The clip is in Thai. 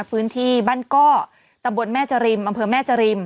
พื้นที่บ้านก้อตำบลแม่จริมอำเภอแม่จริม